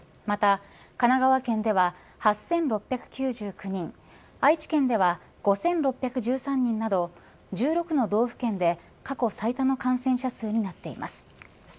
また、神奈川県では８６９９人愛知県では５６１３人など１６の道府県で過去最多の感染者数になっています。